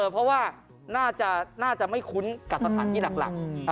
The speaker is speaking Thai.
เพราะว่าน่าจะไม่คุ้นกับสถานที่หลัก